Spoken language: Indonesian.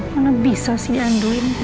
mana bisa sih dianduin